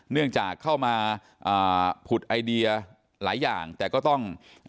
เนื่องจากเข้ามาอ่าผุดไอเดียหลายอย่างแต่ก็ต้อง